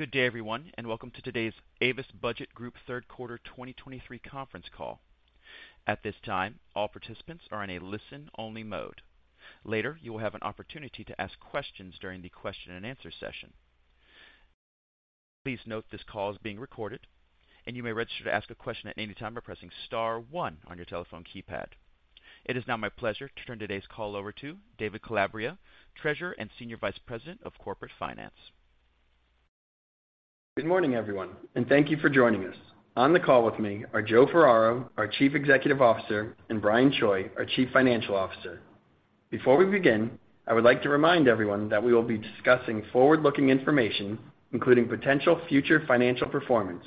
Good day, everyone, and welcome to today's Avis Budget Group Third Quarter 2023 Conference Call. At this time, all participants are in a listen-only mode. Later, you will have an opportunity to ask questions during the question-and-answer session. Please note this call is being recorded, and you may register to ask a question at any time by pressing star one on your telephone keypad. It is now my pleasure to turn today's call over to David Calabria, Treasurer and Senior Vice President of Corporate Finance. Good morning, everyone, and thank you for joining us. On the call with me are Joe Ferraro, our Chief Executive Officer, and Brian Choi, our Chief Financial Officer. Before we begin, I would like to remind everyone that we will be discussing forward-looking information, including potential future financial performance,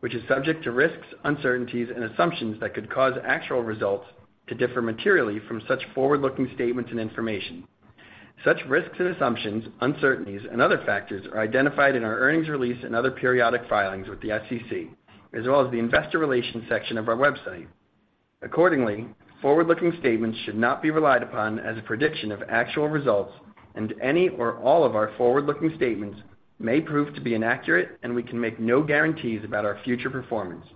which is subject to risks, uncertainties, and assumptions that could cause actual results to differ materially from such forward-looking statements and information. Such risks and assumptions, uncertainties, and other factors are identified in our earnings release and other periodic filings with the SEC, as well as the Investor Relations section of our website. Accordingly, forward-looking statements should not be relied upon as a prediction of actual results, and any or all of our forward-looking statements may prove to be inaccurate, and we can make no guarantees about our future performance.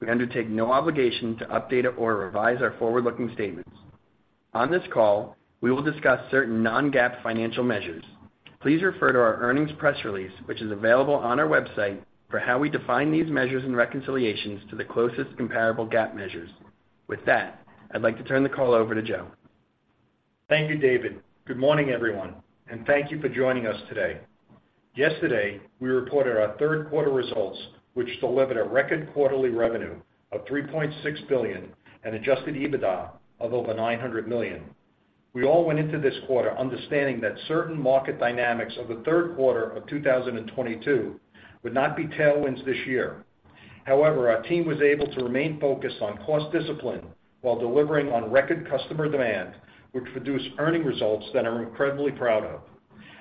We undertake no obligation to update or revise our forward-looking statements. On this call, we will discuss certain non-GAAP financial measures. Please refer to our earnings press release, which is available on our website, for how we define these measures and reconciliations to the closest comparable GAAP measures. With that, I'd like to turn the call over to Joe. Thank you, David. Good morning, everyone, and thank you for joining us today. Yesterday, we reported our third quarter results, which delivered a record quarterly revenue of $3.6 billion and adjusted EBITDA of over $900 million. We all went into this quarter understanding that certain market dynamics of the third quarter of 2022 would not be tailwinds this year. However, our team was able to remain focused on cost discipline while delivering on record customer demand, which produced earning results that I'm incredibly proud of.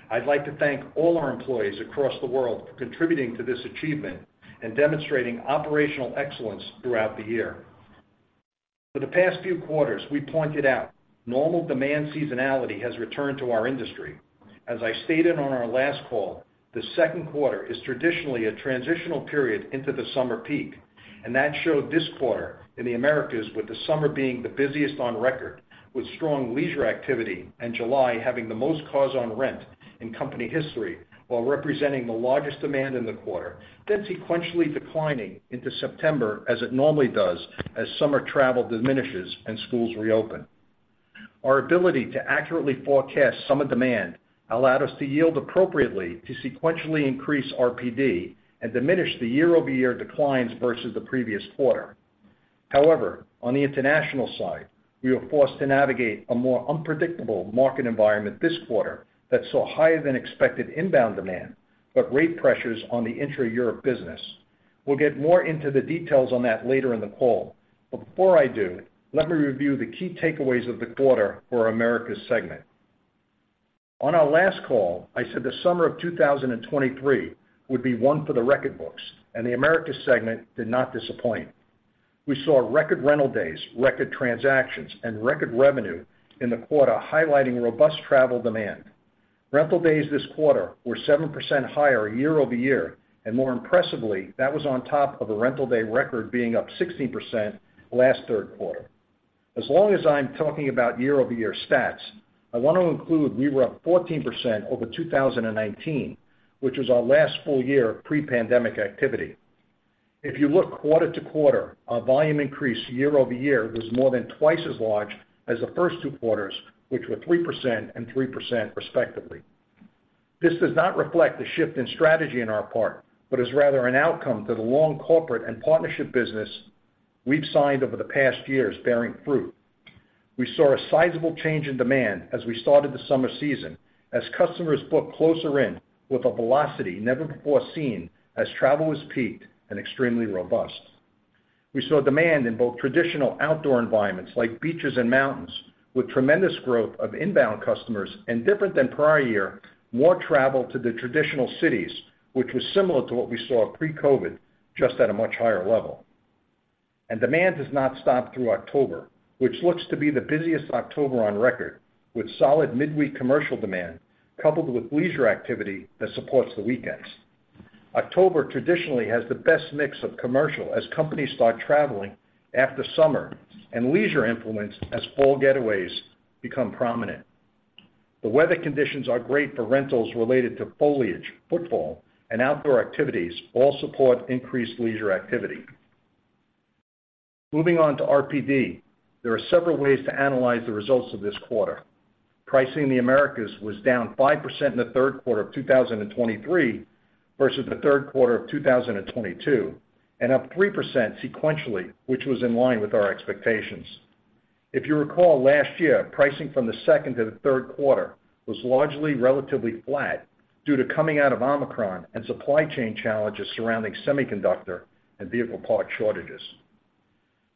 I'd like to thank all our employees across the world for contributing to this achievement and demonstrating operational excellence throughout the year. For the past few quarters, we pointed out normal demand seasonality has returned to our industry. As I stated on our last call, the second quarter is traditionally a transitional period into the summer peak, and that showed this quarter in the Americas, with the summer being the busiest on record, with strong leisure activity and July having the most cars on rent in company history, while representing the largest demand in the quarter, then sequentially declining into September, as it normally does, as summer travel diminishes and schools reopen. Our ability to accurately forecast summer demand allowed us to yield appropriately to sequentially increase RPD and diminish the year-over-year declines versus the previous quarter. However, on the international side, we were forced to navigate a more unpredictable market environment this quarter that saw higher-than-expected inbound demand, but rate pressures on the intra-Europe business. We'll get more into the details on that later in the call, but before I do, let me review the key takeaways of the quarter for our Americas segment. On our last call, I said the summer of 2023 would be one for the record books, and the Americas segment did not disappoint. We saw record rental days, record transactions, and record revenue in the quarter, highlighting robust travel demand. Rental days this quarter were 7% higher year-over-year, and more impressively, that was on top of a rental day record being up 16% last third quarter. As long as I'm talking about year-over-year stats, I want to include we were up 14% over 2019, which was our last full year of pre-pandemic activity. If you look quarter-over-quarter, our volume increase year-over-year was more than twice as large as the first two quarters, which were 3% and 3% respectively. This does not reflect a shift in strategy on our part, but is rather an outcome to the long corporate and partnership business we've signed over the past years bearing fruit. We saw a sizable change in demand as we started the summer season, as customers booked closer in with a velocity never before seen as travel was peaked and extremely robust. We saw demand in both traditional outdoor environments like beaches and mountains, with tremendous growth of inbound customers, and different than prior year, more travel to the traditional cities, which was similar to what we saw pre-COVID, just at a much higher level. Demand does not stop through October, which looks to be the busiest October on record, with solid midweek commercial demand coupled with leisure activity that supports the weekends. October traditionally has the best mix of commercial as companies start traveling after summer and leisure influence as fall getaways become prominent. The weather conditions are great for rentals related to foliage, football, and outdoor activities, all support increased leisure activity. Moving on to RPD, there are several ways to analyze the results of this quarter. Pricing in the Americas was down 5% in the third quarter of 2023 versus the third quarter of 2022, and up 3% sequentially, which was in line with our expectations. If you recall, last year, pricing from the second to the third quarter was largely relatively flat due to coming out of Omicron and supply chain challenges surrounding semiconductor and vehicle part shortages.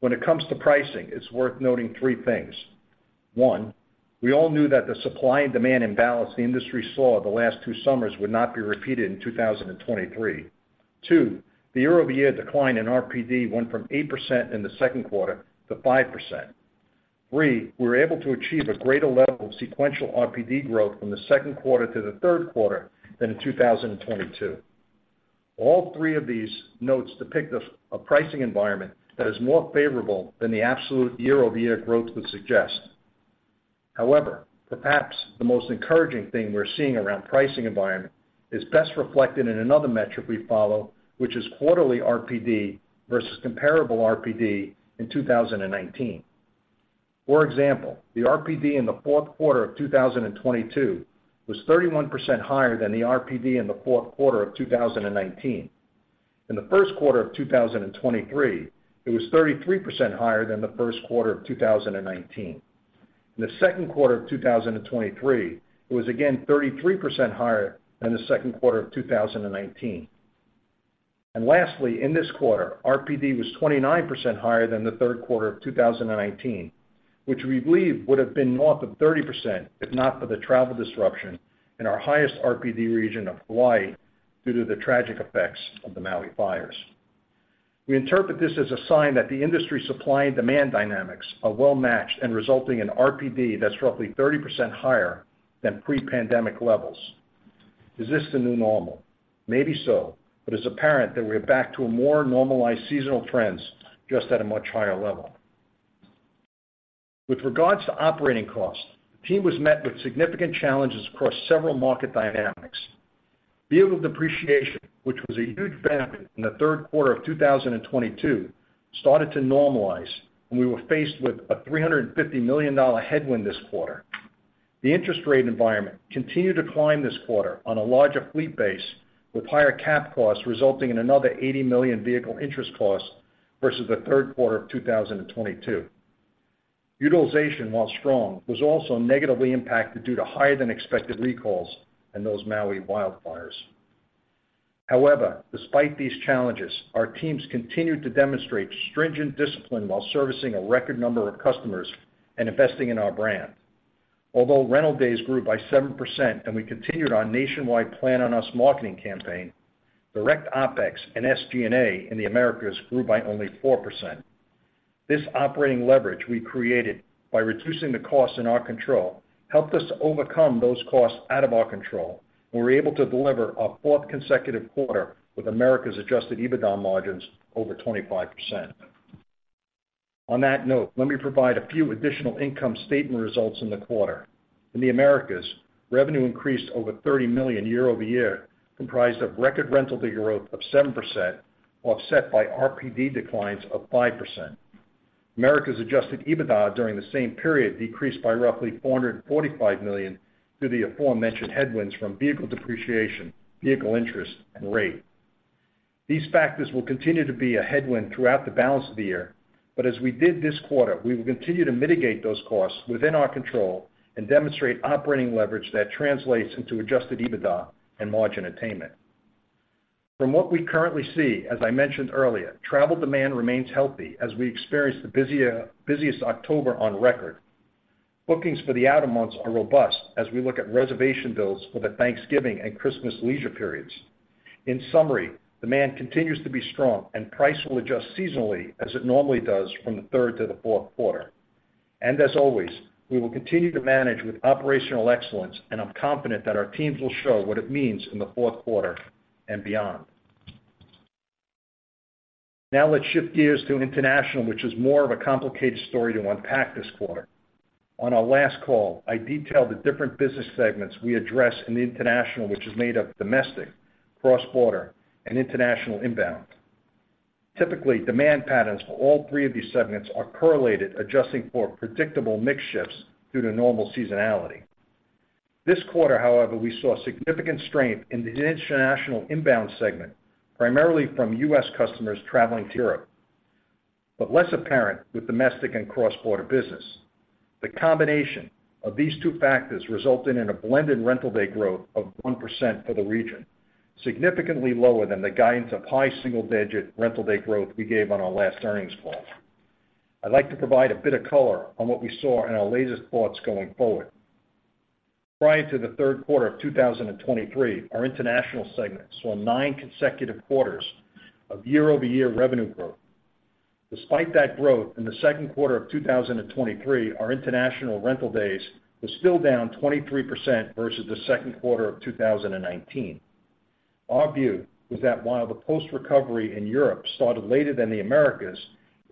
When it comes to pricing, it's worth noting three things. One, we all knew that the supply and demand imbalance the industry saw the last two summers would not be repeated in 2023. Two, the year-over-year decline in RPD went from 8% in the second quarter to 5%.Three, we were able to achieve a greater level of sequential RPD growth from the second quarter to the third quarter than in 2022. All three of these notes depict a pricing environment that is more favorable than the absolute year-over-year growth would suggest. However, perhaps the most encouraging thing we're seeing around pricing environment is best reflected in another metric we follow, which is quarterly RPD versus comparable RPD in 2019. For example, the RPD in the fourth quarter of 2022 was 31% higher than the RPD in the fourth quarter of 2019. In the first quarter of 2023, it was 33% higher than the first quarter of 2019. In the second quarter of 2023, it was again 33% higher than the second quarter of 2019. Lastly, in this quarter, RPD was 29% higher than the third quarter of 2019, which we believe would have been north of 30%, if not for the travel disruption in our highest RPD region of Hawaii due to the tragic effects of the Maui fires. We interpret this as a sign that the industry supply and demand dynamics are well matched and resulting in RPD that's roughly 30% higher than pre-pandemic levels. Is this the new normal? Maybe so, but it's apparent that we're back to a more normalized seasonal trends, just at a much higher level. With regards to operating costs, the team was met with significant challenges across several market dynamics. Vehicle depreciation, which was a huge benefit in the third quarter of 2022, started to normalize, and we were faced with a $350 million headwind this quarter. The interest rate environment continued to climb this quarter on a larger fleet base, with higher cap costs resulting in another $80 million vehicle interest costs versus the third quarter of 2022. Utilization, while strong, was also negatively impacted due to higher-than-expected recalls and those Maui wildfires. However, despite these challenges, our teams continued to demonstrate stringent discipline while servicing a record number of customers and investing in our brand. Although rental days grew by 7% and we continued our nationwide Plan on Us marketing campaign, direct OpEx and SG&A in the Americas grew by only 4%. This operating leverage we created by reducing the costs in our control, helped us to overcome those costs out of our control, and we were able to deliver our fourth consecutive quarter with Americas' adjusted EBITDA margins over 25%. On that note, let me provide a few additional income statement results in the quarter. In the Americas, revenue increased over $30 million year-over-year, comprised of record rental day growth of 7%, offset by RPD declines of 5%. Americas' adjusted EBITDA during the same period decreased by roughly $445 million due to the aforementioned headwinds from vehicle depreciation, vehicle interest, and rate. These factors will continue to be a headwind throughout the balance of the year, but as we did this quarter, we will continue to mitigate those costs within our control and demonstrate operating leverage that translates into Adjusted EBITDA and margin attainment. From what we currently see, as I mentioned earlier, travel demand remains healthy as we experience the busiest October on record. Bookings for the outer months are robust as we look at reservation builds for the Thanksgiving and Christmas leisure periods. In summary, demand continues to be strong, and price will adjust seasonally, as it normally does from the third to the fourth quarter. And as always, we will continue to manage with operational excellence, and I'm confident that our teams will show what it means in the fourth quarter and beyond. Now let's shift gears to international, which is more of a complicated story to unpack this quarter. On our last call, I detailed the different business segments we address in the international, which is made of domestic, cross-border, and international inbound. Typically, demand patterns for all three of these segments are correlated, adjusting for predictable mix shifts due to normal seasonality. This quarter, however, we saw significant strength in the international inbound segment, primarily from U.S. customers traveling to Europe, but less apparent with domestic and cross-border business. The combination of these two factors resulted in a blended rental day growth of 1% for the region, significantly lower than the guidance of high single-digit rental day growth we gave on our last earnings call. I'd like to provide a bit of color on what we saw and our latest thoughts going forward. Prior to the third quarter of 2023, our international segment saw nine consecutive quarters of year-over-year revenue growth. Despite that growth, in the second quarter of 2023, our international rental days were still down 23% versus the second quarter of 2019. Our view was that while the post-recovery in Europe started later than the Americas,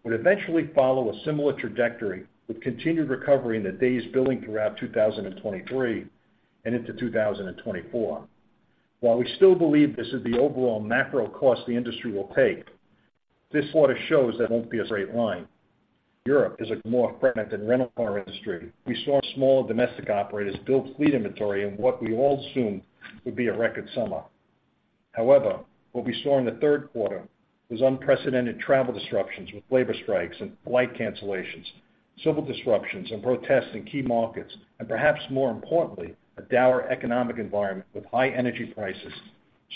would eventually follow a similar trajectory with continued recovery in the days building throughout 2023 and into 2024. While we still believe this is the overall macro course the industry will take, this quarter shows that won't be a straight line. Europe is a more fragmented rental car industry. We saw small domestic operators build fleet inventory in what we all assumed would be a record summer. However, what we saw in the third quarter was unprecedented travel disruptions with labor strikes and flight cancellations, civil disruptions and protests in key markets, and perhaps more importantly, a dour economic environment with high energy prices,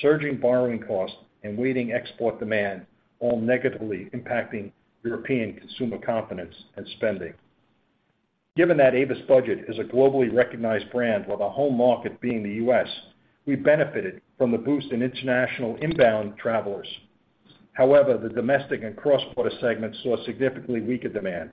surging borrowing costs, and waning export demand, all negatively impacting European consumer confidence and spending. Given that Avis Budget is a globally recognized brand, with our home market being the U.S., we benefited from the boost in international inbound travelers. However, the domestic and cross-border segments saw significantly weaker demand.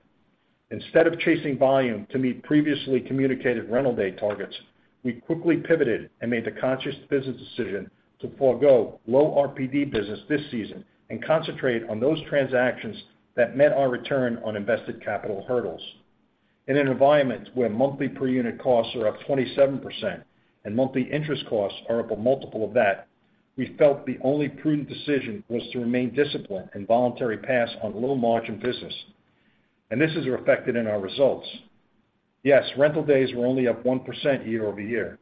Instead of chasing volume to meet previously communicated rental day targets, we quickly pivoted and made the conscious business decision to forego low RPD business this season and concentrate on those transactions that met our return on invested capital hurdles. In an environment where monthly per-unit costs are up 27% and monthly interest costs are up a multiple of that, we felt the only prudent decision was to remain disciplined and voluntary pass on low-margin business, and this is reflected in our results. Yes, rental days were only up 1% year-over-year,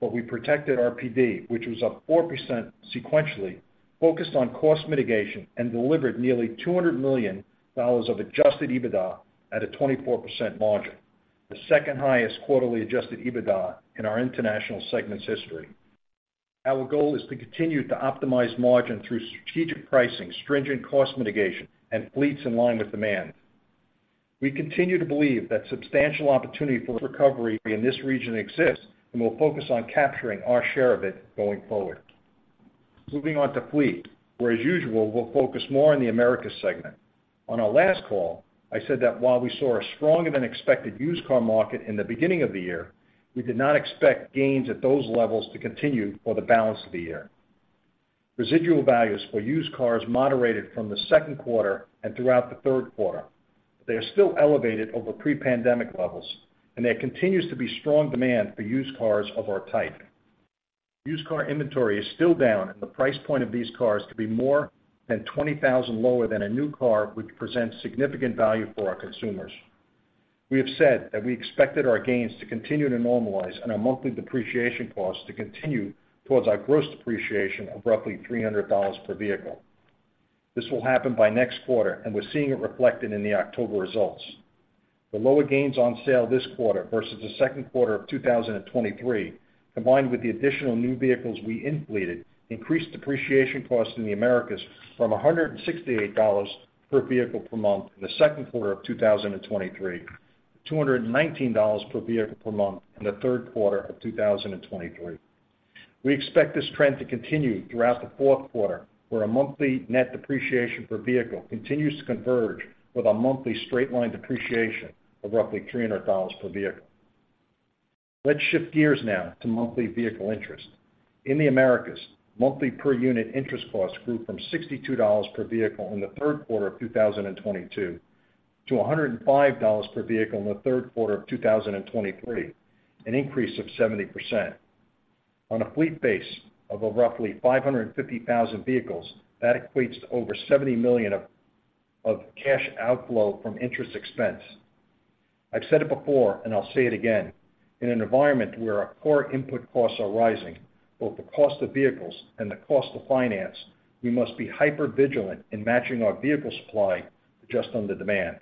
but we protected our RPD, which was up 4% sequentially, focused on cost mitigation, and delivered nearly $200 million of adjusted EBITDA at a 24% margin, the second-highest quarterly adjusted EBITDA in our international segment's history. Our goal is to continue to optimize margin through strategic pricing, stringent cost mitigation, and fleets in line with demand. We continue to believe that substantial opportunity for recovery in this region exists, and we'll focus on capturing our share of it going forward. Moving on to fleet, where, as usual, we'll focus more on the Americas segment. On our last call, I said that while we saw a stronger-than-expected used car market in the beginning of the year, we did not expect gains at those levels to continue for the balance of the year. Residual values for used cars moderated from the second quarter and throughout the third quarter. They are still elevated over pre-pandemic levels, and there continues to be strong demand for used cars of our type. Used car inventory is still down, and the price point of these cars could be more than 20,000 lower than a new car, which presents significant value for our consumers. We have said that we expected our gains to continue to normalize and our monthly depreciation costs to continue towards our gross depreciation of roughly $300 per vehicle. This will happen by next quarter, and we're seeing it reflected in the October results. The lower gains on sale this quarter versus the second quarter of 2023, combined with the additional new vehicles we in-fleeted, increased depreciation costs in the Americas from $168 per vehicle per month in the second quarter of 2023, to $219 per vehicle per month in the third quarter of 2023. We expect this trend to continue throughout the fourth quarter, where a monthly net depreciation per vehicle continues to converge with a monthly straight-line depreciation of roughly $300 per vehicle. Let's shift gears now to monthly vehicle interest. In the Americas, monthly per-unit interest costs grew from $62 per vehicle in the third quarter of 2022 to $105 per vehicle in the third quarter of 2023, an increase of 70%. On a fleet base of roughly 550,000 vehicles, that equates to over $70 million of cash outflow from interest expense. I've said it before and I'll say it again, in an environment where our core input costs are rising, both the cost of vehicles and the cost to finance, we must be hyper-vigilant in matching our vehicle supply just on the demand.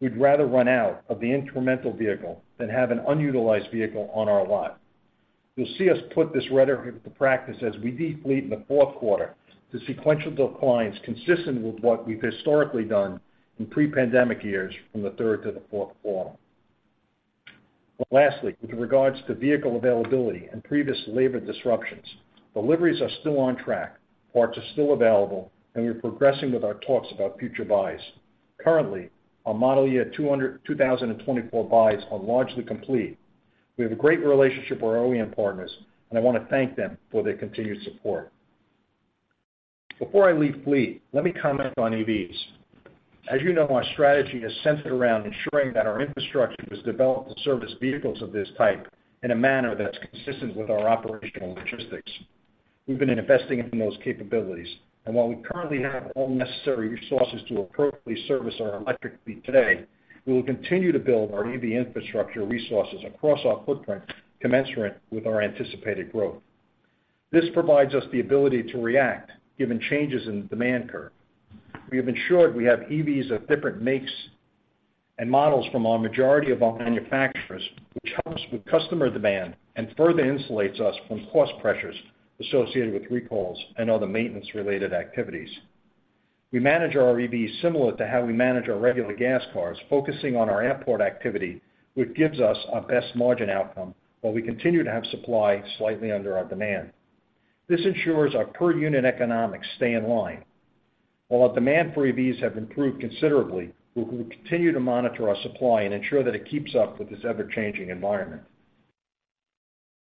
We'd rather run out of the incremental vehicle than have an unutilized vehicle on our lot. You'll see us put this rhetoric into practice as we de-fleet in the fourth quarter to sequential declines, consistent with what we've historically done in pre-pandemic years from the third to the fourth quarter. Lastly, with regards to vehicle availability and previous labor disruptions, deliveries are still on track, parts are still available, and we're progressing with our talks about future buys. Currently, our model year 2024 buys are largely complete. We have a great relationship with our OEM partners, and I want to thank them for their continued support. Before I leave fleet, let me comment on EVs. As you know, our strategy is centered around ensuring that our infrastructure is developed to service vehicles of this type in a manner that's consistent with our operational logistics. We've been investing in those capabilities, and while we currently have all necessary resources to appropriately service our electric fleet today, we will continue to build our EV infrastructure resources across our footprint, commensurate with our anticipated growth. This provides us the ability to react, given changes in the demand curve. We have ensured we have EVs of different makes and models from our majority of our manufacturers, which helps with customer demand and further insulates us from cost pressures associated with recalls and other maintenance-related activities. We manage our EVs similar to how we manage our regular gas cars, focusing on our airport activity, which gives us our best margin outcome, while we continue to have supply slightly under our demand. This ensures our per-unit economics stay in line. While our demand for EVs have improved considerably, we will continue to monitor our supply and ensure that it keeps up with this ever-changing environment.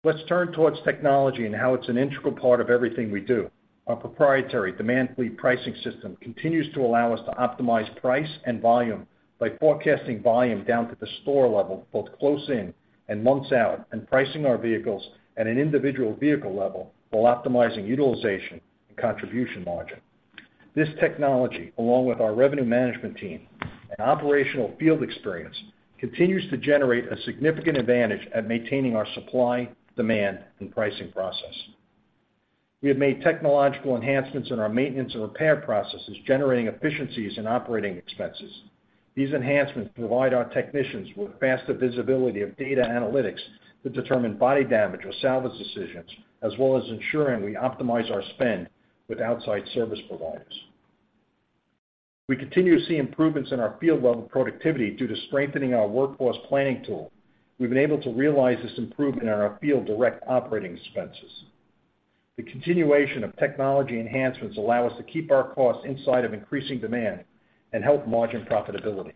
Let's turn towards technology and how it's an integral part of everything we do. Our proprietary Demand Fleet Pricing system continues to allow us to optimize price and volume by forecasting volume down to the store level, both close in and months out, and pricing our vehicles at an individual vehicle level while optimizing utilization and contribution margin. This technology, along with our revenue management team and operational field experience, continues to generate a significant advantage at maintaining our supply, demand, and pricing process. We have made technological enhancements in our maintenance and repair processes, generating efficiencies in operating expenses. These enhancements provide our technicians with faster visibility of data analytics to determine body damage or salvage decisions, as well as ensuring we optimize our spend with outside service providers. We continue to see improvements in our field level productivity due to strengthening our workforce planning tool. We've been able to realize this improvement in our field direct operating expenses. The continuation of technology enhancements allow us to keep our costs inside of increasing demand and help margin profitability.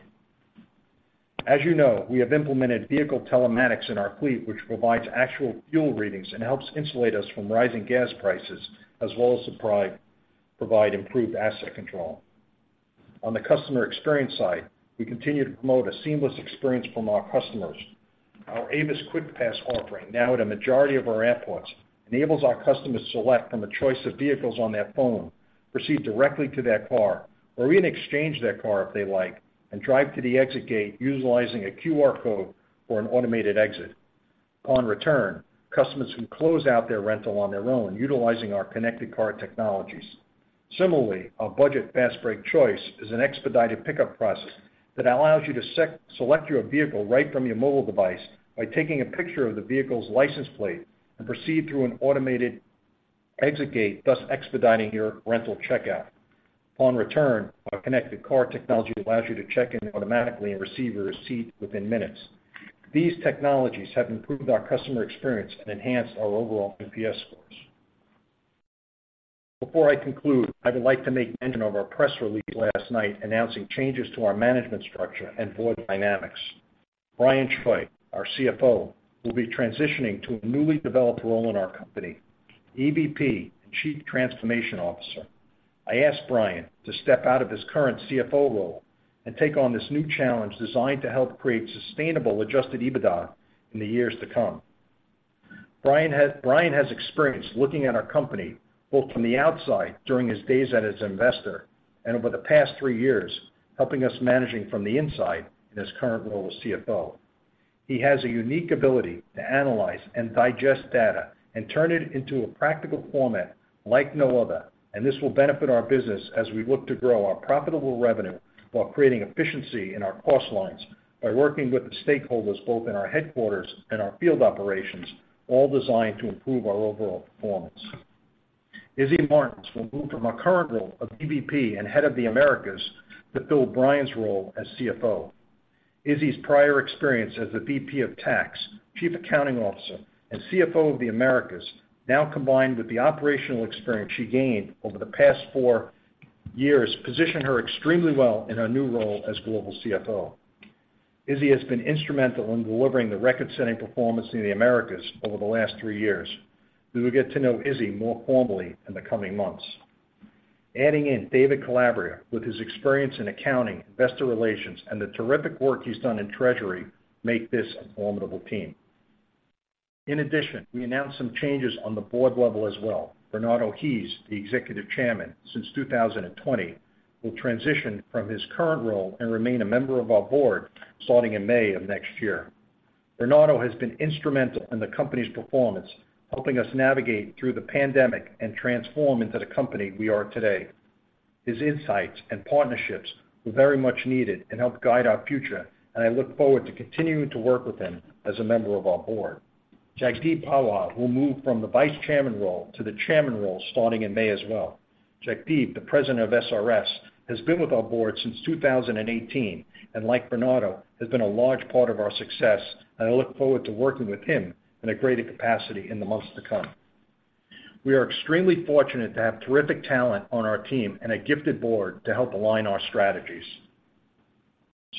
As you know, we have implemented vehicle telematics in our fleet, which provides actual fuel readings and helps insulate us from rising gas prices, as well as supply, provide improved asset control. On the customer experience side, we continue to promote a seamless experience from our customers. Our Avis QuickPass offering, now at a majority of our airports, enables our customers to select from a choice of vehicles on their phone, proceed directly to that car, or even exchange that car if they like, and drive to the exit gate, utilizing a QR code for an automated exit. Upon return, customers can close out their rental on their own, utilizing our connected car technologies. Similarly, our Budget Fastbreak Choice is an expedited pickup process that allows you to select your vehicle right from your mobile device by taking a picture of the vehicle's license plate and proceed through an automated exit gate, thus expediting your rental checkout. Upon return, our connected car technology allows you to check in automatically and receive your receipt within minutes. These technologies have improved our customer experience and enhanced our overall NPS scores. Before I conclude, I would like to make mention of our press release last night announcing changes to our management structure and board dynamics. Brian Choi, our CFO, will be transitioning to a newly developed role in our company, EVP and Chief Transformation Officer. I asked Brian to step out of his current CFO role and take on this new challenge designed to help create sustainable Adjusted EBITDA in the years to come. Brian has experience looking at our company, both from the outside during his days as an investor and over the past three years, helping us managing from the inside in his current role as CFO. He has a unique ability to analyze and digest data and turn it into a practical format like no other, and this will benefit our business as we look to grow our profitable revenue while creating efficiency in our cost lines by working with the stakeholders, both in our headquarters and our field operations, all designed to improve our overall performance. Izzy Martins will move from her current role of EVP and Head of the Americas, to fill Brian's role as CFO. Izzy's prior experience as the VP of Tax, Chief Accounting Officer, and CFO of the Americas, now combined with the operational experience she gained over the past four years, position her extremely well in her new role as Global CFO. Izzy has been instrumental in delivering the record-setting performance in the Americas over the last three years. We will get to know Izzy more formally in the coming months. Adding in David Calabria, with his experience in accounting, investor relations, and the terrific work he's done in treasury, make this a formidable team. In addition, we announced some changes on the board level as well. Bernardo Hees, the Executive Chairman since 2020, will transition from his current role and remain a member of our board, starting in May of next year. Bernardo has been instrumental in the company's performance, helping us navigate through the pandemic and transform into the company we are today. His insights and partnerships were very much needed and help guide our future, and I look forward to continuing to work with him as a member of our board. Jagdeep Pahwa will move from the Vice Chairman role to the Chairman role, starting in May as well. Jagdeep, the President of SRS, has been with our board since 2018, and like Bernardo, has been a large part of our success, and I look forward to working with him in a greater capacity in the months to come. We are extremely fortunate to have terrific talent on our team and a gifted board to help align our strategies.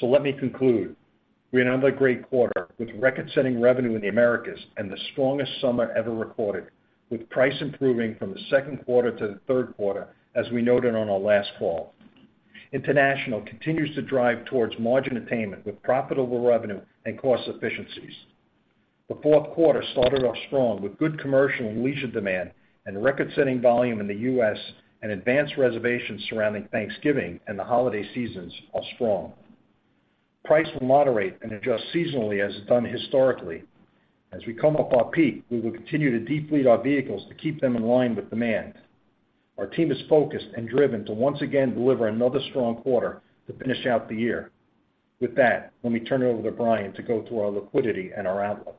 So let me conclude. We had another great quarter with record-setting revenue in the Americas and the strongest summer ever recorded, with price improving from the second quarter to the third quarter, as we noted on our last call. International continues to drive towards margin attainment with profitable revenue and cost efficiencies. The fourth quarter started off strong, with good commercial and leisure demand and record-setting volume in the U.S., and advanced reservations surrounding Thanksgiving and the holiday seasons are strong. Price will moderate and adjust seasonally as it's done historically. As we come up our peak, we will continue to de-fleet our vehicles to keep them in line with demand. Our team is focused and driven to once again deliver another strong quarter to finish out the year. With that, let me turn it over to Brian to go through our liquidity and our outlook.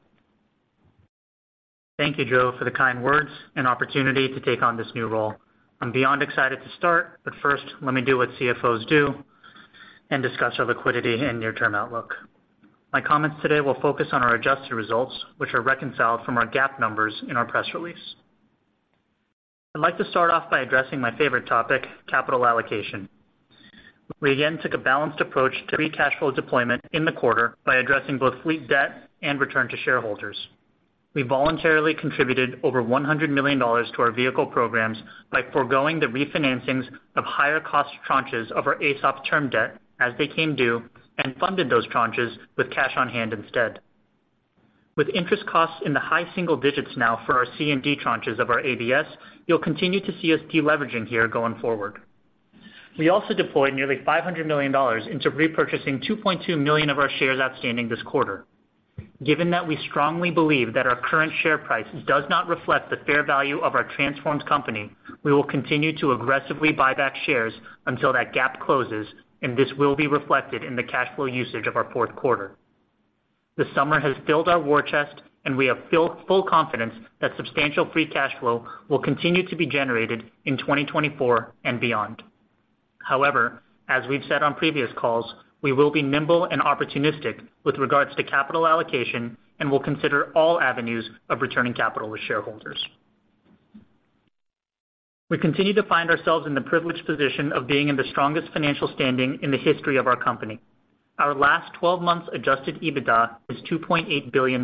Thank you, Joe, for the kind words and opportunity to take on this new role. I'm beyond excited to start, but first, let me do what CFOs do and discuss our liquidity and near-term outlook. My comments today will focus on our adjusted results, which are reconciled from our GAAP numbers in our press release. I'd like to start off by addressing my favorite topic, capital allocation. We again took a balanced approach to free cash flow deployment in the quarter by addressing both fleet debt and return to shareholders. We voluntarily contributed over $100 million to our vehicle programs by foregoing the refinancings of higher cost tranches of our AESOP term debt as they came due and funded those tranches with cash on hand instead. With interest costs in the high single digits now for our C and D tranches of our ABS, you'll continue to see us deleveraging here going forward. We also deployed nearly $500 million into repurchasing 2.2 million of our shares outstanding this quarter. Given that we strongly believe that our current share price does not reflect the fair value of our transformed company, we will continue to aggressively buy back shares until that gap closes, and this will be reflected in the cash flow usage of our fourth quarter. This summer has filled our war chest, and we have built full confidence that substantial free cash flow will continue to be generated in 2024 and beyond. However, as we've said on previous calls, we will be nimble and opportunistic with regards to capital allocation and will consider all avenues of returning capital to shareholders. We continue to find ourselves in the privileged position of being in the strongest financial standing in the history of our company. Our last twelve months Adjusted EBITDA is $2.8 billion.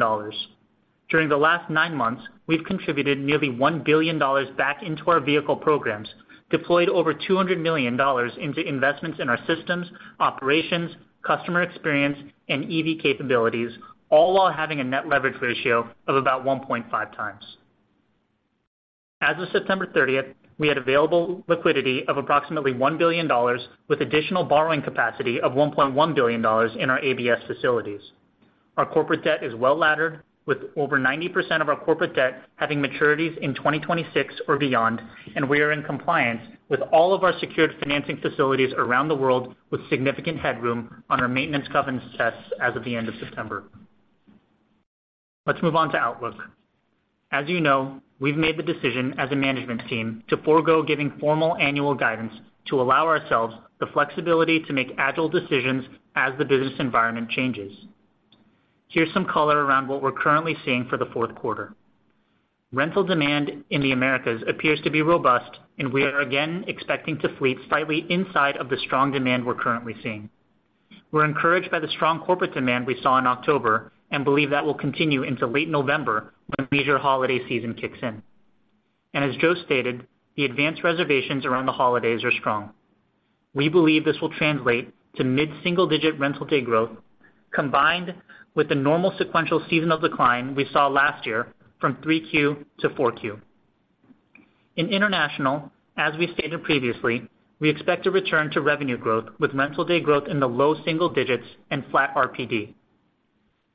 During the last nine months, we've contributed nearly $1 billion back into our vehicle programs, deployed over $200 million into investments in our systems, operations, customer experience, and EV capabilities, all while having a net leverage ratio of about 1.5x. As of September thirtieth, we had available liquidity of approximately $1 billion, with additional borrowing capacity of $1.1 billion in our ABS facilities. Our corporate debt is well laddered, with over 90% of our corporate debt having maturities in 2026 or beyond, and we are in compliance with all of our secured financing facilities around the world, with significant headroom on our maintenance covenants tests as of the end of September. Let's move on to outlook. As you know, we've made the decision as a management team to forgo giving formal annual guidance to allow ourselves the flexibility to make agile decisions as the business environment changes. Here's some color around what we're currently seeing for the fourth quarter. Rental demand in the Americas appears to be robust, and we are again expecting to fleet slightly inside of the strong demand we're currently seeing. We're encouraged by the strong corporate demand we saw in October and believe that will continue into late November, when leisure holiday season kicks in. As Joe stated, the advanced reservations around the holidays are strong. We believe this will translate to mid-single-digit rental day growth, combined with the normal sequential season of decline we saw last year from 3Q to 4Q. In international, as we stated previously, we expect to return to revenue growth, with rental day growth in the low single digits and flat RPD.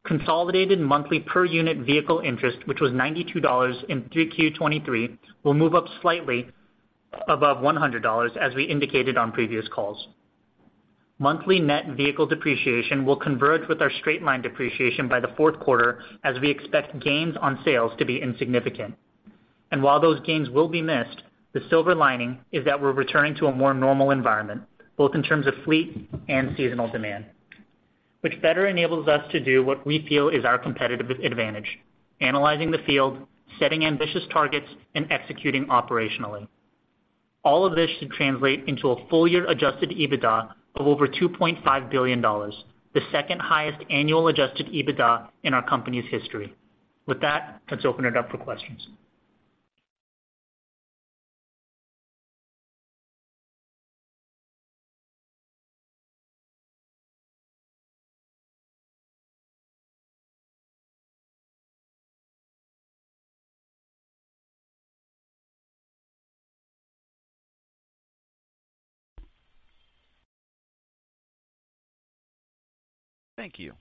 Consolidated monthly per-unit vehicle interest, which was $92 in 3Q 2023, will move up slightly above $100, as we indicated on previous calls. Monthly net vehicle depreciation will converge with our straight-line depreciation by the fourth quarter, as we expect gains on sales to be insignificant. While those gains will be missed, the silver lining is that we're returning to a more normal environment, both in terms of fleet and seasonal demand, which better enables us to do what we feel is our competitive advantage: analyzing the field, setting ambitious targets, and executing operationally. All of this should translate into a full-year Adjusted EBITDA of over $2.5 billion, the second-highest annual Adjusted EBITDA in our company's history. With that, let's open it up for questions. Thank you.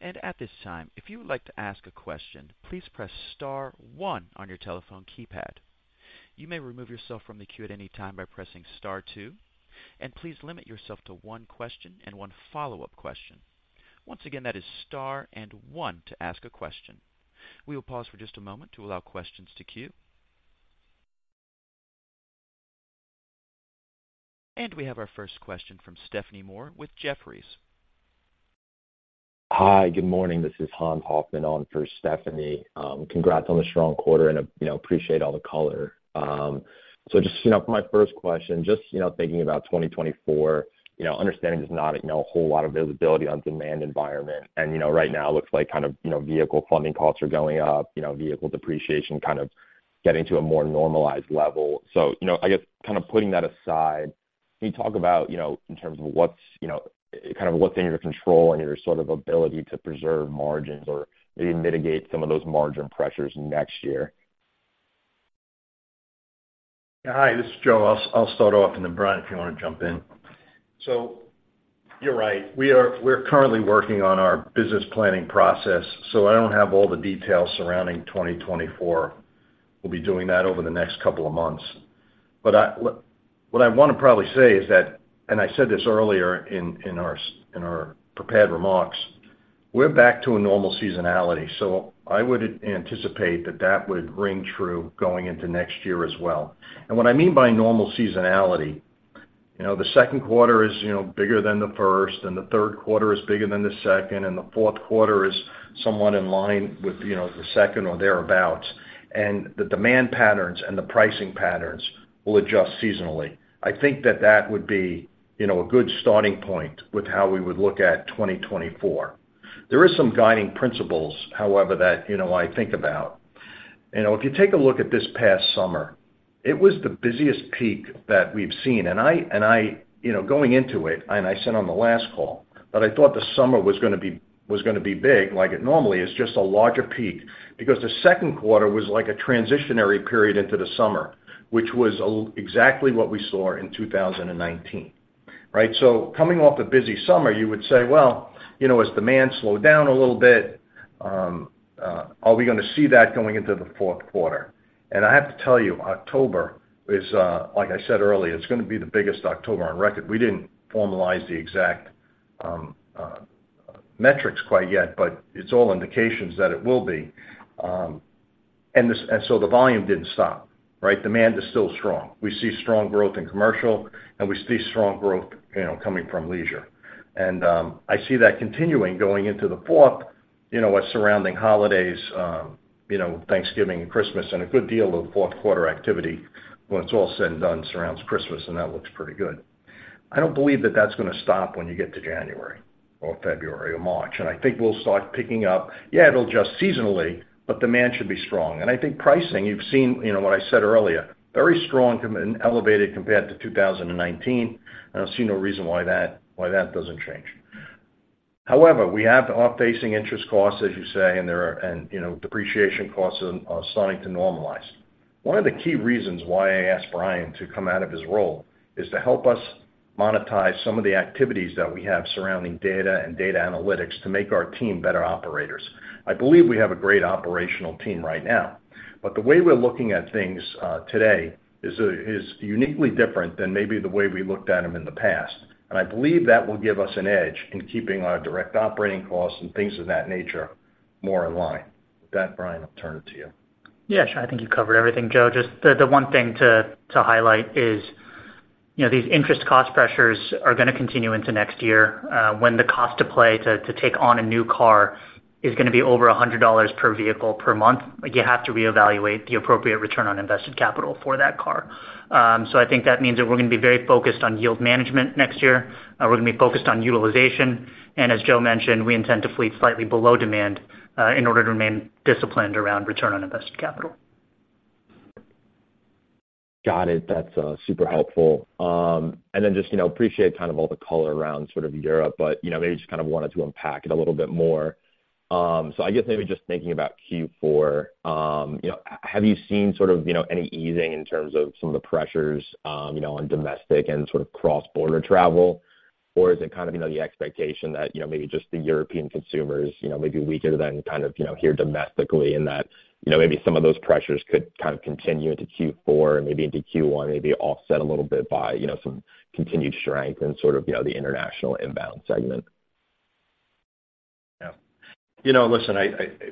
At this time, if you would like to ask a question, please press star one on your telephone keypad. You may remove yourself from the queue at any time by pressing star two, and please limit yourself to one question and one follow-up question. Once again, that is star and one to ask a question. We will pause for just a moment to allow questions to queue. We have our first question from Stephanie Moore with Jefferies. Hi, good morning. This is Hans Hoffman on for Stephanie. Congrats on the strong quarter and, you know, appreciate all the color. So just, you know, for my first question, just, you know, thinking about 2024, you know, understanding there's not, you know, a whole lot of visibility on demand environment. And, you know, right now, it looks like kind of, you know, vehicle funding costs are going up, you know, vehicle depreciation kind of getting to a more normalized level. So, you know, I guess, kind of putting that aside, can you talk about, you know, in terms of what's, you know, kind of what's in your control and your sort of ability to preserve margins or maybe mitigate some of those margin pressures next year? Hi, this is Joe. I'll start off, and then, Brian, if you want to jump in. So you're right, we're currently working on our business planning process, so I don't have all the details surrounding 2024. We'll be doing that over the next couple of months. But what I want to probably say is that, and I said this earlier in our prepared remarks, we're back to a normal seasonality, so I would anticipate that that would ring true going into next year as well. And what I mean by normal seasonality, you know, the second quarter is, you know, bigger than the first, and the third quarter is bigger than the second, and the fourth quarter is somewhat in line with, you know, the second or thereabouts, and the demand patterns and the pricing patterns will adjust seasonally. I think that that would be, you know, a good starting point with how we would look at 2024. There is some guiding principles, however, that, you know, I think about. You know, if you take a look at this past summer, it was the busiest peak that we've seen, and you know, going into it, and I said on the last call, that I thought the summer was gonna be, was gonna be big, like it normally is, just a larger peak. Because the second quarter was like a transitional period into the summer, which was exactly what we saw in 2019, right? So coming off a busy summer, you would say, "Well, you know, as demand slowed down a little bit, are we gonna see that going into the fourth quarter?"... I have to tell you, October is, like I said earlier, it's going to be the biggest October on record. We didn't formalize the exact metrics quite yet, but it's all indications that it will be. And so the volume didn't stop, right? Demand is still strong. We see strong growth in commercial, and we see strong growth, you know, coming from leisure. And I see that continuing going into the fourth, you know, with surrounding holidays, you know, Thanksgiving and Christmas, and a good deal of fourth-quarter activity, when it's all said and done, surrounds Christmas, and that looks pretty good. I don't believe that that's going to stop when you get to January or February or March, and I think we'll start picking up. Yeah, it'll adjust seasonally, but demand should be strong. I think pricing, you've seen, you know, what I said earlier, very strong comparable and elevated compared to 2019, and I see no reason why that doesn't change. However, we have the upward interest costs, as you say, and there are, you know, depreciation costs are starting to normalize. One of the key reasons why I asked Brian to come out of his role is to help us monetize some of the activities that we have surrounding data and data analytics to make our team better operators. I believe we have a great operational team right now, but the way we're looking at things today is uniquely different than maybe the way we looked at them in the past. And I believe that will give us an edge in keeping our direct operating costs and things of that nature more in line. With that, Brian, I'll turn it to you. Yeah, sure. I think you covered everything, Joe. Just the one thing to highlight is, you know, these interest cost pressures are going to continue into next year, when the cost to play to take on a new car is going to be over $100 per vehicle per month. You have to reevaluate the appropriate return on invested capital for that car. So I think that means that we're going to be very focused on yield management next year. We're going to be focused on utilization, and as Joe mentioned, we intend to fleet slightly below demand, in order to remain disciplined around return on invested capital. Got it. That's super helpful. And then just, you know, appreciate kind of all the color around sort of Europe, but, you know, maybe just kind of wanted to unpack it a little bit more. So I guess maybe just thinking about Q4, you know, have you seen sort of, you know, any easing in terms of some of the pressures, you know, on domestic and sort of cross-border travel? Or is it kind of, you know, the expectation that, you know, maybe just the European consumers, you know, may be weaker than kind of, you know, here domestically, and that, you know, maybe some of those pressures could kind of continue into Q4 and maybe into Q1, maybe offset a little bit by, you know, some continued strength in sort of, you know, the international inbound segment? Yeah. You know, listen,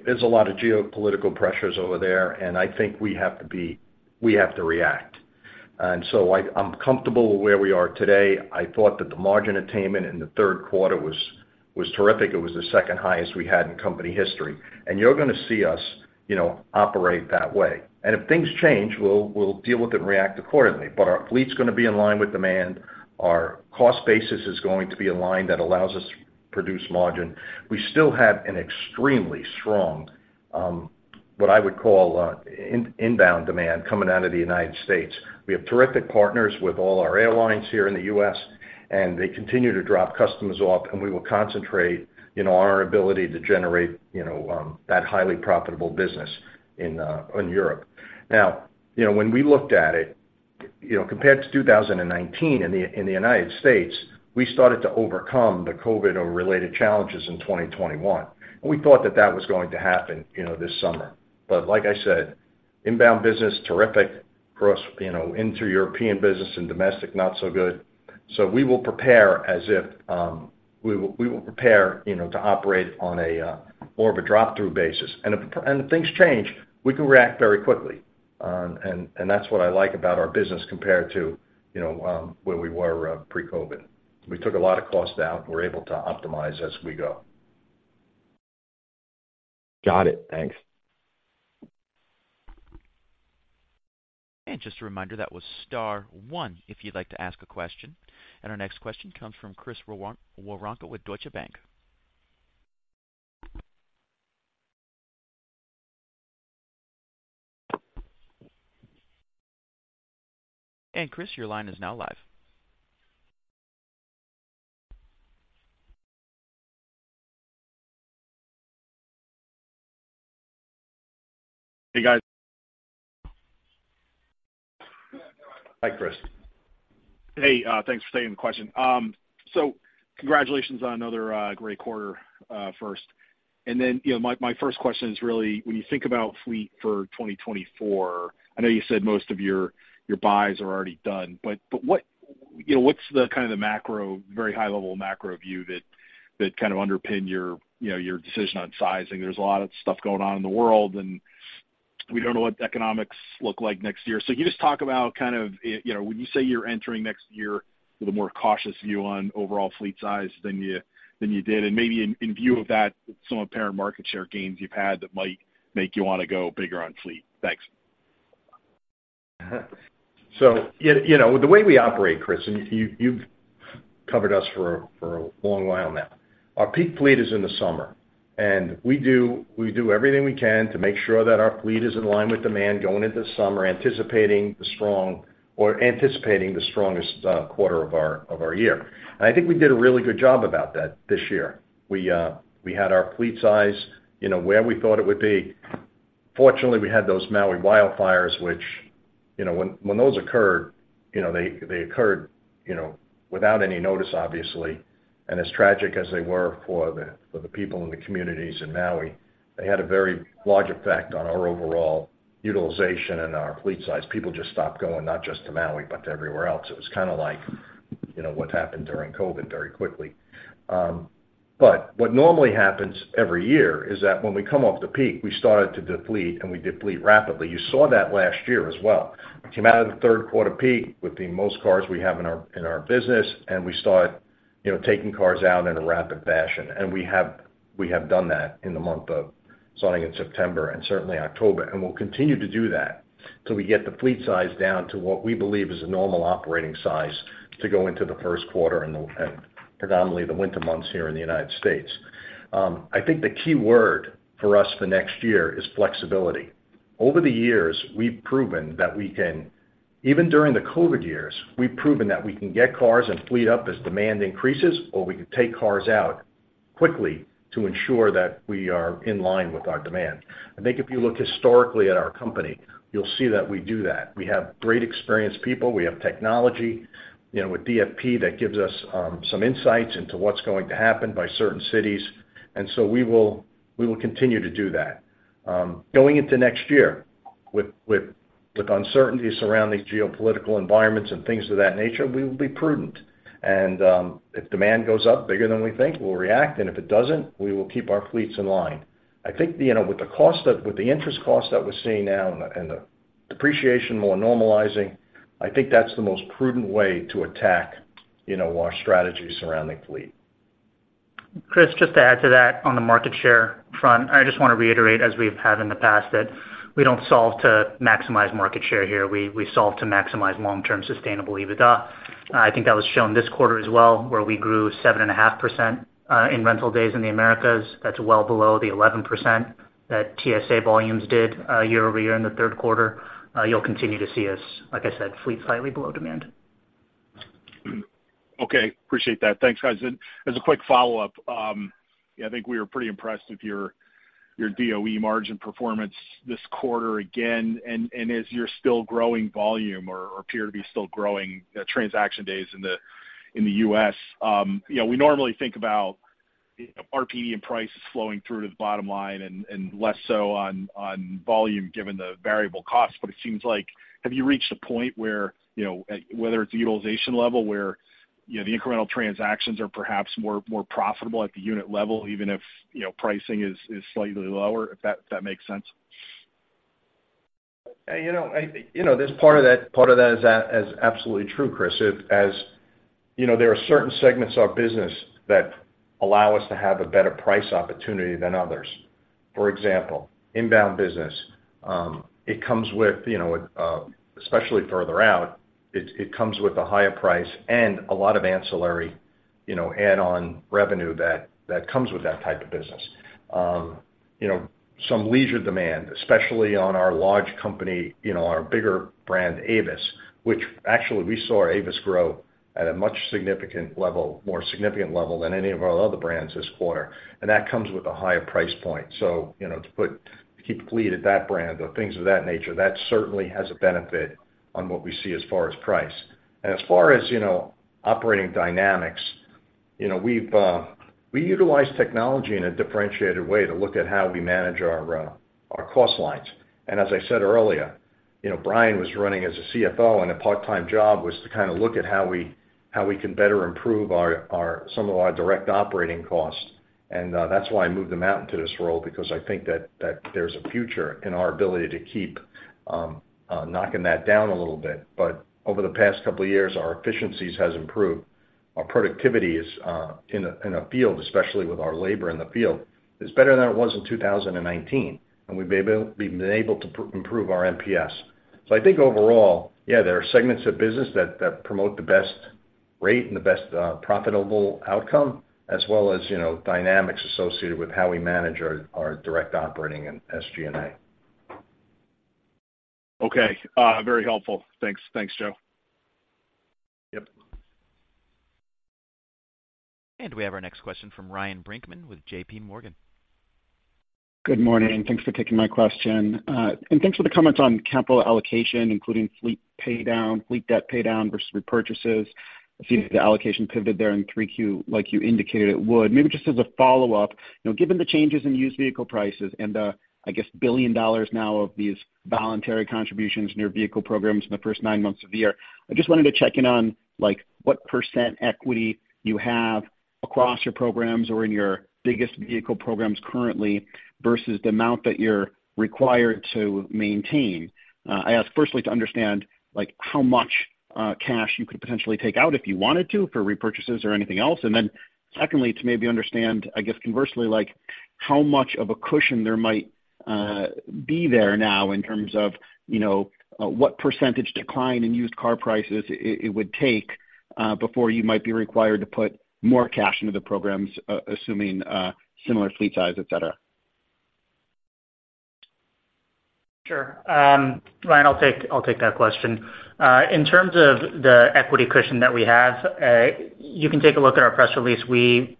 there's a lot of geopolitical pressures over there, and I think we have to react. And so I'm comfortable with where we are today. I thought that the margin attainment in the third quarter was terrific. It was the second highest we had in company history, and you're going to see us, you know, operate that way. And if things change, we'll deal with it and react accordingly. But our fleet's going to be in line with demand. Our cost basis is going to be in line. That allows us to produce margin. We still have an extremely strong inbound demand coming out of the United States. We have terrific partners with all our airlines here in the US, and they continue to drop customers off, and we will concentrate on our ability to generate, you know, that highly profitable business in, in Europe. Now, you know, when we looked at it, you know, compared to 2019 in the, in the United States, we started to overcome the COVID-related challenges in 2021. We thought that that was going to happen, you know, this summer. But like I said, inbound business, terrific for us, you know, inter-European business and domestic, not so good. So we will prepare as if... We will, we will prepare, you know, to operate on a, more of a drop-through basis. And if pr- and if things change, we can react very quickly. And that's what I like about our business compared to, you know, where we were pre-COVID. We took a lot of cost out. We're able to optimize as we go. Got it. Thanks. Just a reminder, that was star one if you'd like to ask a question. Our next question comes from Chris Woronka with Deutsche Bank. Chris, your line is now live. Hey, guys. Hi, Chris. Hey, thanks for taking the question. So congratulations on another great quarter, first. And then, you know, my first question is really when you think about fleet for 2024, I know you said most of your buys are already done, but what, you know, what's the kind of the macro, very high-level macro view that kind of underpin your, you know, your decision on sizing? There's a lot of stuff going on in the world, and we don't know what the economics look like next year. So can you just talk about kind of, you know, when you say you're entering next year with a more cautious view on overall fleet size than you did, and maybe in view of that, some apparent market share gains you've had that might make you want to go bigger on fleet. Thanks. So, you know, the way we operate, Chris, and you've covered us for a long while now. Our peak fleet is in the summer, and we do everything we can to make sure that our fleet is in line with demand going into the summer, anticipating the strongest quarter of our year. And I think we did a really good job about that this year. We had our fleet size, you know, where we thought it would be. Fortunately, we had those Maui wildfires, which, you know, when those occurred, you know, they occurred without any notice, obviously. And as tragic as they were for the people in the communities in Maui, they had a very large effect on our overall utilization and our fleet size. People just stopped going, not just to Maui, but to everywhere else. It was kind of like, you know, what happened during COVID very quickly. But what normally happens every year is that when we come off the peak, we started to deplete, and we deplete rapidly. You saw that last year as well. We came out of the third quarter peak with the most cars we have in our business, and we started, you know, taking cars out in a rapid fashion. And we have done that starting in September and certainly October. And we'll continue to do that till we get the fleet size down to what we believe is a normal operating size to go into the first quarter and predominantly the winter months here in the United States. I think the key word for us for next year is flexibility. Over the years, we've proven that we can... Even during the COVID years, we've proven that we can get cars and fleet up as demand increases, or we can take cars out quickly to ensure that we are in line with our demand. I think if you look historically at our company, you'll see that we do that. We have great, experienced people. We have technology, you know, with DFP, that gives us some insights into what's going to happen by certain cities. And so we will continue to do that. Going into next year, with uncertainties around these geopolitical environments and things of that nature, we will be prudent. If demand goes up bigger than we think, we'll react, and if it doesn't, we will keep our fleets in line. I think, you know, with the interest cost that we're seeing now and the depreciation more normalizing, I think that's the most prudent way to attack, you know, our strategy surrounding fleet. Chris, just to add to that, on the market share front, I just want to reiterate, as we've had in the past, that we don't solve to maximize market share here. We, we solve to maximize long-term sustainable EBITDA. I think that was shown this quarter as well, where we grew 7.5% in rental days in the Americas. That's well below the 11% that TSA volumes did, year-over-year in the third quarter. You'll continue to see us, like I said, fleet slightly below demand. Okay, appreciate that. Thanks, guys. As a quick follow-up, yeah, I think we were pretty impressed with your EBITDA margin performance this quarter again, and as you're still growing volume or appear to be still growing transaction days in the U.S. You know, we normally think about RPD and prices flowing through to the bottom line and less so on volume, given the variable costs. But it seems like, have you reached a point where, you know, whether it's the utilization level, where the incremental transactions are perhaps more profitable at the unit level, even if, you know, pricing is slightly lower, if that makes sense? You know, you know, this part of that, part of that is absolutely true, Chris. If as you know, there are certain segments of our business that allow us to have a better price opportunity than others. For example, inbound business, it comes with, you know, especially further out, it, it comes with a higher price and a lot of ancillary, you know, add-on revenue that, that comes with that type of business. You know, some leisure demand, especially on our large company, you know, our bigger brand, Avis, which actually we saw Avis grow at a much significant level, more significant level than any of our other brands this quarter, and that comes with a higher price point. So, you know, to keep fleet at that brand or things of that nature, that certainly has a benefit on what we see as far as price. And as far as, you know, operating dynamics, you know, we utilize technology in a differentiated way to look at how we manage our cost lines. And as I said earlier, you know, Brian was running as a CFO, and a part-time job was to kind of look at how we can better improve our some of our direct operating costs. And that's why I moved him out into this role, because I think that there's a future in our ability to keep knocking that down a little bit. But over the past couple of years, our efficiencies has improved. Our productivity is in a field, especially with our labor in the field, better than it was in 2019, and we've been able to improve our NPS. So I think overall, yeah, there are segments of business that promote the best rate and the best profitable outcome, as well as, you know, dynamics associated with how we manage our direct operating and SG&A. Okay, very helpful. Thanks. Thanks, Joe. Yep. We have our next question from Ryan Brinkman with JPMorgan. Good morning, and thanks for taking my question. And thanks for the comments on capital allocation, including fleet paydown, fleet debt paydown versus repurchases. It seems the allocation pivoted there in 3Q, like you indicated it would. Maybe just as a follow-up, you know, given the changes in used vehicle prices and the, I guess, $1 billion now of these voluntary contributions in your vehicle programs in the first nine months of the year, I just wanted to check in on, like, what % equity you have across your programs or in your biggest vehicle programs currently versus the amount that you're required to maintain. I ask firstly to understand, like, how much, cash you could potentially take out if you wanted to, for repurchases or anything else. And then secondly, to maybe understand, I guess, conversely, like, how much of a cushion there might be there now in terms of, you know, what percentage decline in used car prices it would take before you might be required to put more cash into the programs, assuming similar fleet size, et cetera? Sure. Ryan, I'll take, I'll take that question. In terms of the equity cushion that we have, you can take a look at our press release. We,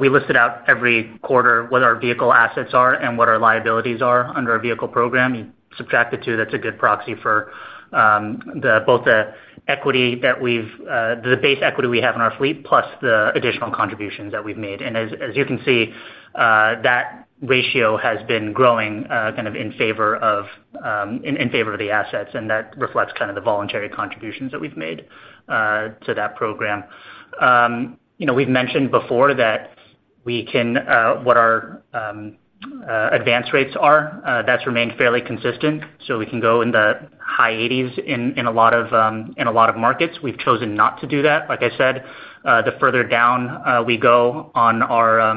we listed out every quarter what our vehicle assets are and what our liabilities are under our vehicle program. You subtract the two, that's a good proxy for both the equity that we've, the base equity we have in our fleet, plus the additional contributions that we've made. And as, as you can see, that ratio has been growing, kind of in favor of, in, in favor of the assets, and that reflects kind of the voluntary contributions that we've made to that program. You know, we've mentioned before that we can what our advance rates are, that's remained fairly consistent, so we can go in the high 80s in a lot of markets. We've chosen not to do that. Like I said, the further down we go on our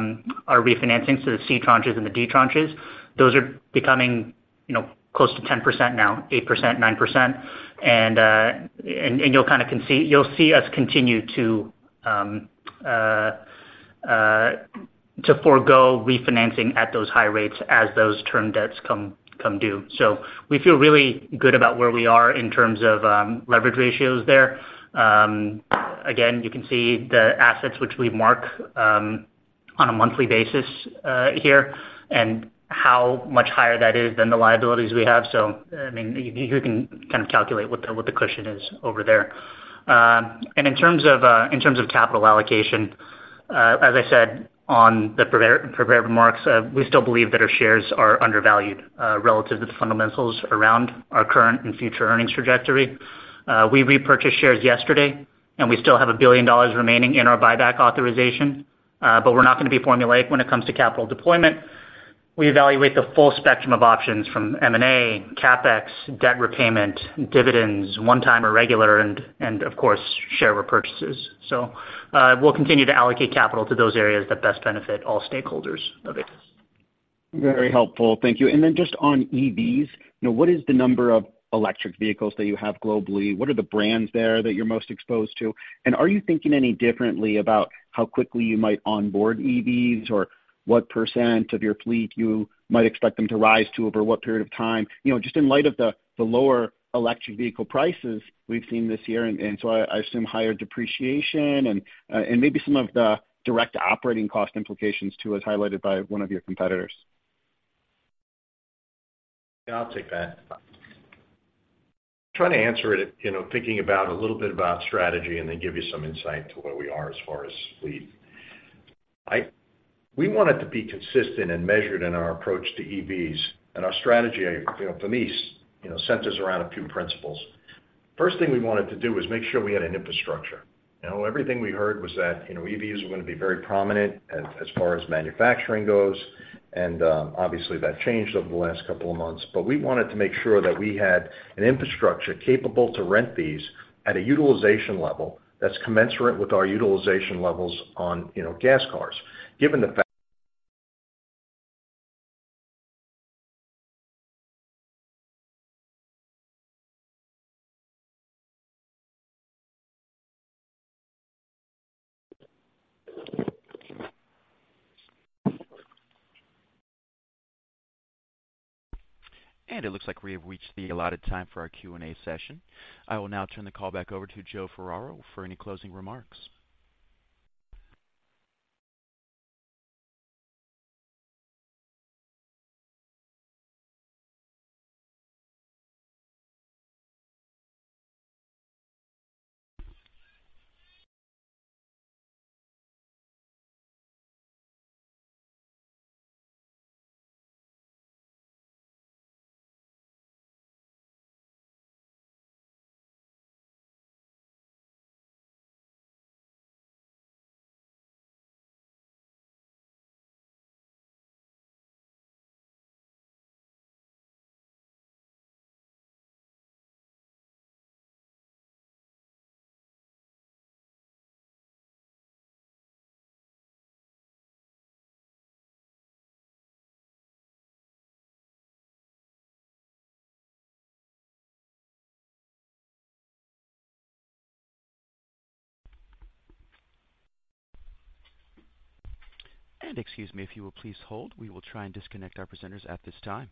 refinancing, so the C tranches and the D tranches, those are becoming, you know, close to 10% now, 8%, 9%. And you'll see us continue to forgo refinancing at those high rates as those term debts come due. So we feel really good about where we are in terms of leverage ratios there. Again, you can see the assets which we mark on a monthly basis here, and how much higher that is than the liabilities we have. So, I mean, you can kind of calculate what the cushion is over there. And in terms of capital allocation, as I said, on the prepared remarks, we still believe that our shares are undervalued relative to the fundamentals around our current and future earnings trajectory. We repurchased shares yesterday, and we still have $1 billion remaining in our buyback authorization, but we're not gonna be formulaic when it comes to capital deployment. We evaluate the full spectrum of options from M&A, CapEx, debt repayment, dividends, one time or regular, and of course, share repurchases. So, we'll continue to allocate capital to those areas that best benefit all stakeholders of Avis. Very helpful. Thank you. And then just on EVs, you know, what is the number of electric vehicles that you have globally? What are the brands there that you're most exposed to? And are you thinking any differently about how quickly you might onboard EVs or what % of your fleet you might expect them to rise to over what period of time? You know, just in light of the, the lower electric vehicle prices we've seen this year, and, so I assume higher depreciation and, and maybe some of the direct operating cost implications, too, as highlighted by one of your competitors. Yeah, I'll take that. Trying to answer it, you know, thinking about a little bit about strategy and then give you some insight to where we are as far as fleet. We wanted to be consistent and measured in our approach to EVs and our strategy, you know, centers around a few principles. First thing we wanted to do was make sure we had an infrastructure. You know, everything we heard was that, you know, EVs were gonna be very prominent as far as manufacturing goes, and, obviously, that changed over the last couple of months. But we wanted to make sure that we had an infrastructure capable to rent these at a utilization level that's commensurate with our utilization levels on, you know, gas cars. Given the fact- It looks like we have reached the allotted time for our Q&A session. I will now turn the call back over to Joe Ferraro for any closing remarks. Excuse me, if you will please hold, we will try and disconnect our presenters at this time.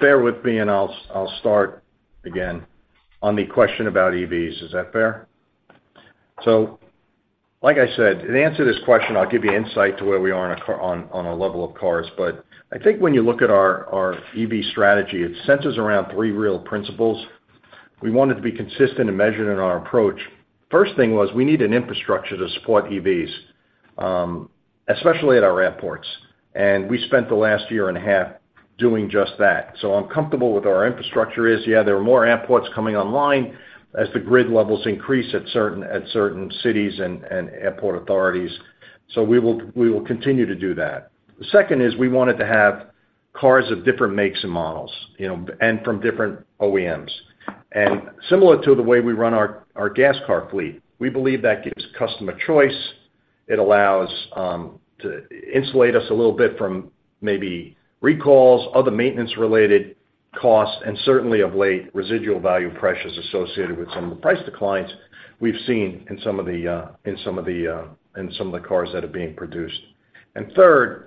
Bear with me, and I'll start again on the question about EVs. Is that fair? So like I said, to answer this question, I'll give you insight to where we are on our level of cars. But I think when you look at our EV strategy, it centers around three real principles. We wanted to be consistent and measured in our approach. First thing was, we need an infrastructure to support EVs, especially at our airports, and we spent the last year and a half doing just that. So I'm comfortable with our infrastructure is. Yeah, there are more airports coming online as the grid levels increase at certain cities and airport authorities, so we will continue to do that. The second is, we wanted to have cars of different makes and models, you know, and from different OEMs. And similar to the way we run our gas car fleet, we believe that gives customer choice. It allows to insulate us a little bit from maybe recalls, other maintenance-related costs, and certainly of late, residual value pressures associated with some of the price declines we've seen in some of the cars that are being produced. And third,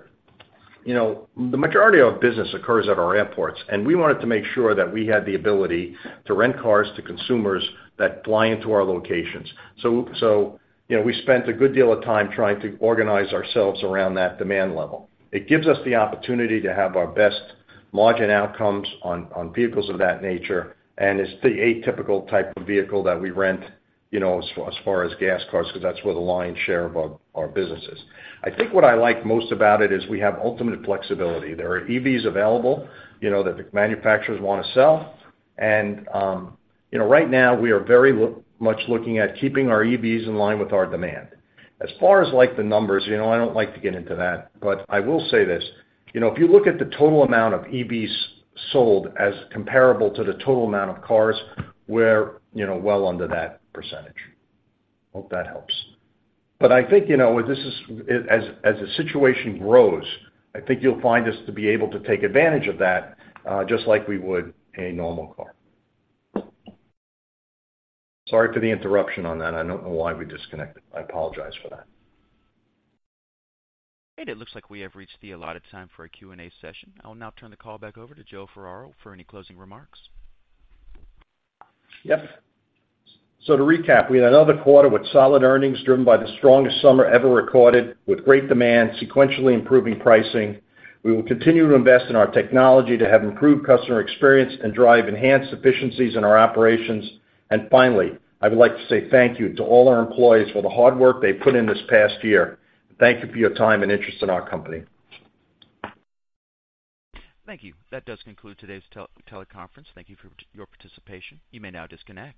you know, the majority of business occurs at our airports, and we wanted to make sure that we had the ability to rent cars to consumers that fly into our locations. So, you know, we spent a good deal of time trying to organize ourselves around that demand level. It gives us the opportunity to have our best margin outcomes on vehicles of that nature, and it's the atypical type of vehicle that we rent, you know, as far as gas cars, because that's where the lion's share of our business is. I think what I like most about it is we have ultimate flexibility. There are EVs available, you know, that the manufacturers want to sell, and, you know, right now, we are very much looking at keeping our EVs in line with our demand. As far as, like, the numbers, you know, I don't like to get into that, but I will say this: you know, if you look at the total amount of EVs sold as comparable to the total amount of cars, we're, you know, well under that percentage. Hope that helps. But I think, you know, as this is, as the situation grows, I think you'll find us to be able to take advantage of that, just like we would a normal car. Sorry for the interruption on that. I don't know why we disconnected. I apologize for that. It looks like we have reached the allotted time for our Q&A session. I will now turn the call back over to Joe Ferraro for any closing remarks. Yes. So to recap, we had another quarter with solid earnings, driven by the strongest summer ever recorded, with great demand, sequentially improving pricing. We will continue to invest in our technology to have improved customer experience and drive enhanced efficiencies in our operations. Finally, I would like to say thank you to all our employees for the hard work they've put in this past year. Thank you for your time and interest in our company. Thank you. That does conclude today's teleconference. Thank you for your participation. You may now disconnect.